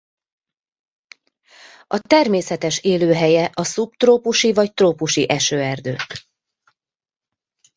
A természetes élőhelye a szubtrópusi vagy trópusi esőerdők.